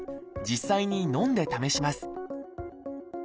実際に飲んで試します